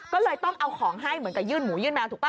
ก็เลยต้องเอาของให้เหมือนกับยื่นหมูยื่นแมวถูกป่